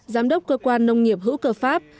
giám đốc cơ quan nông nghiệp hữu cơ pháp